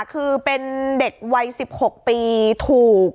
คือเป็นเด็กวัย๑๖ปีถูก